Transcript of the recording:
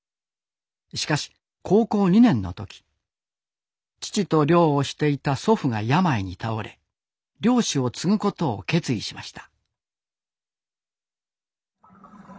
しかし高校２年の時父と漁をしていた祖父が病に倒れ漁師を継ぐことを決意しました。